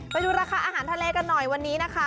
ไปดูราคาอาหารทะเลกันหน่อยวันนี้นะคะ